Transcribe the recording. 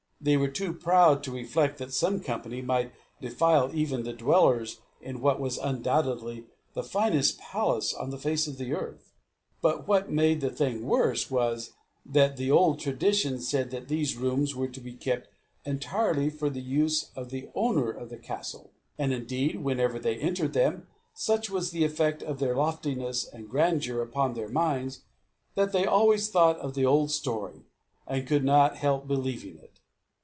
They were too proud to reflect that some company might defile even the dwellers in what was undoubtedly the finest palace on the face of the earth. But what made the thing worse, was, that the old tradition said that these rooms were to be kept entirely for the use of the owner of the castle. And, indeed, whenever they entered them, such was the effect of their loftiness and grandeur upon their minds, that they always thought of the old story, and could not help believing it.